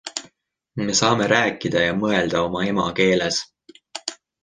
Me saame rääkida ja mõelda oma emakeeles.